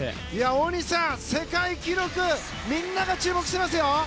大西さん、世界記録みんなが注目してますよ。